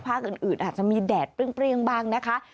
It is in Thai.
ภาคอื่นอาจจะมีแดดเปรี้ยงบ้างนะคะ